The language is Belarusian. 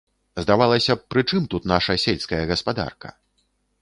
Здавалася б, прычым тут наша сельская гаспадарка.